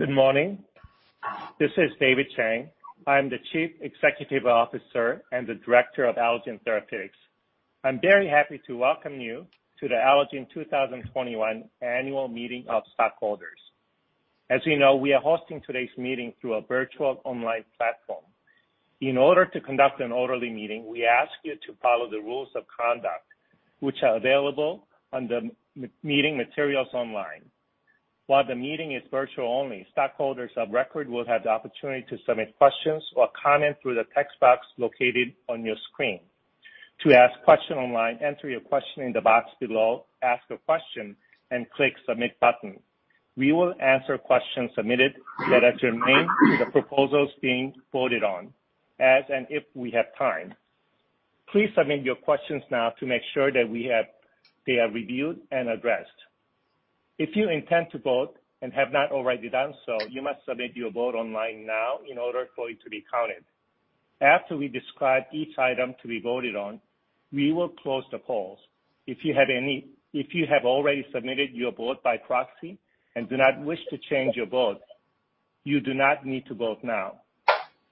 Good morning. This is David Chang. I am the Chief Executive Officer and the Director of Allogene Therapeutics. I'm very happy to welcome you to the Allogene 2021 Annual Meeting of Stockholders. As you know, we are hosting today's meeting through a virtual online platform. In order to conduct an orderly meeting, we ask you to follow the rules of conduct, which are available on the meeting materials online. While the meeting is virtual only, stockholders of record will have the opportunity to submit questions or comments through the text box located on your screen. To ask a question online, enter your question in the box below, ask a question, and click the Submit button. We will answer questions submitted that are germane to the proposals being voted on, as and if we have time. Please submit your questions now to make sure that they are reviewed and addressed. If you intend to vote and have not already done so, you must submit your vote online now in order for it to be counted. After we describe each item to be voted on, we will close the polls. If you have already submitted your vote by proxy and do not wish to change your vote, you do not need to vote now.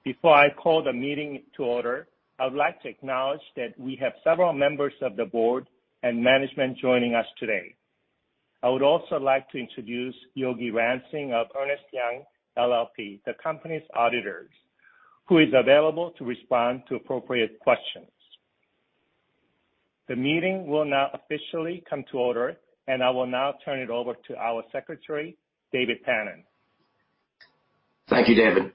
Before I call the meeting to order, I would like to acknowledge that we have several members of the board and management joining us today. I would also like to introduce Yogi Ransing of Ernst & Young, LLP, the company's auditors, who is available to respond to appropriate questions. The meeting will now officially come to order, and I will now turn it over to our Secretary, David Tanen. Thank you, David.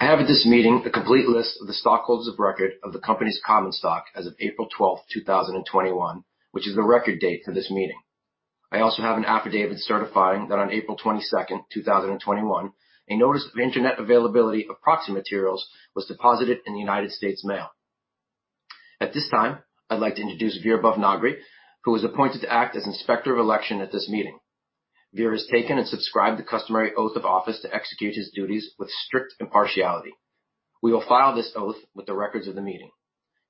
I have at this meeting a complete list of the stockholders of record of the company's common stock as of April 12, 2021, which is the record date for this meeting. I also have an affidavit certifying that on April 22, 2021, a notice of internet availability of proxy materials was deposited in the United States mail. At this time, I'd like to introduce Veer Bhavnagri, who was appointed to act as Inspector of Election at this meeting. Veer has taken and subscribed the customary oath of office to execute his duties with strict impartiality. We will file this oath with the records of the meeting.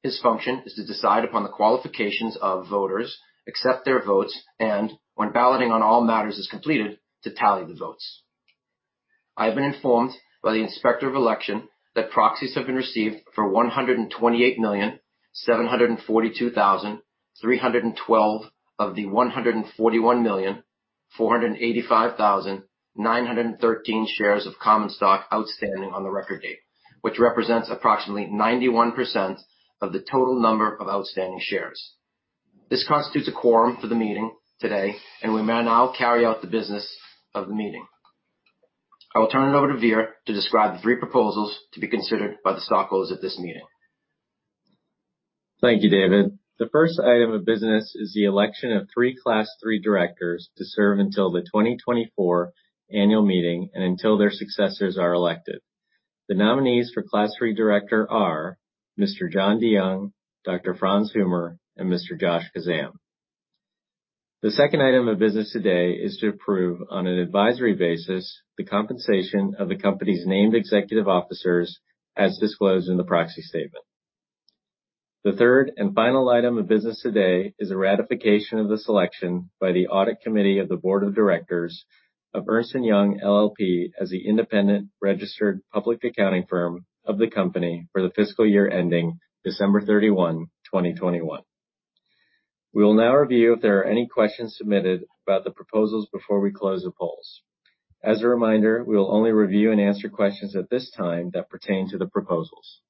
His function is to decide upon the qualifications of voters, accept their votes, and, when balloting on all matters is completed, to tally the votes. I have been informed by the Inspector of Election that proxies have been received for 128,742,312 of the 141,485,913 shares of common stock outstanding on the record date, which represents approximately 91% of the total number of outstanding shares. This constitutes a quorum for the meeting today, and we may now carry out the business of the meeting. I will turn it over to Veer to describe the three proposals to be considered by the stockholders at this meeting. Thank you, David. The first item of business is the election of three Class III directors to serve until the 2024 Annual Meeting and until their successors are elected. The nominees for Class III Director are Mr. John DeYoung, Dr. Franz Huemer, and Mr. Josh Kazan. The second item of business today is to approve, on an advisory basis, the compensation of the company's named executive officers, as disclosed in the proxy statement. The third and final item of business today is a ratification of the selection by the Audit Committee of the Board of Directors of Ernst & Young, LLP, as the independent registered public accounting firm of the company for the fiscal year ending December 31, 2021. We will now review if there are any questions submitted about the proposals before we close the polls. As a reminder, we will only review and answer questions at this time that pertain to the proposals.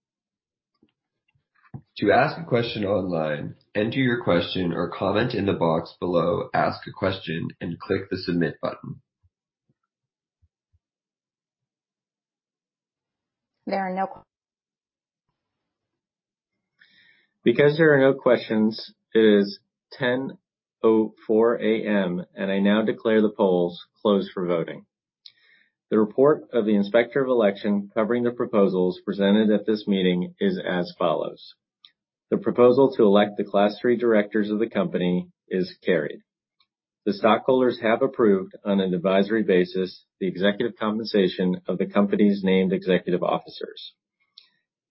To ask a question online, enter your question or comment in the box below, ask a question, and click the Submit button. There are no questions. Because there are no questions, it is 10:04 A.M., and I now declare the polls closed for voting. The report of the Inspector of Election covering the proposals presented at this meeting is as follows. The proposal to elect the Class III directors of the company is carried. The stockholders have approved, on an advisory basis, the executive compensation of the company's named executive officers.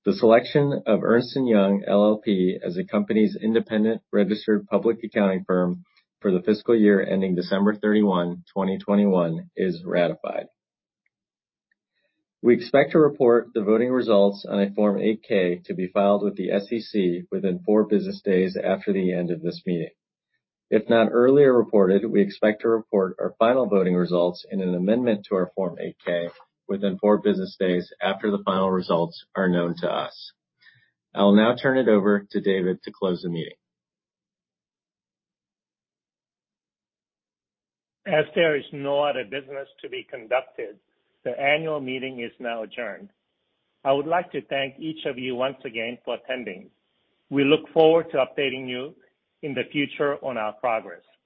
The selection of Ernst & Young, LLP, as the company's independent registered public accounting firm for the fiscal year ending December 31, 2021, is ratified. We expect to report the voting results on a Form 8-K to be filed with the SEC within four business days after the end of this meeting. If not earlier reported, we expect to report our final voting results in an amendment to our Form 8-K within four business days after the final results are known to us. I will now turn it over to David to close the meeting. As there is no other business to be conducted, the Annual Meeting is now adjourned. I would like to thank each of you once again for attending. We look forward to updating you in the future on our progress.